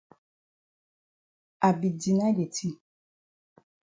I be deny de tin.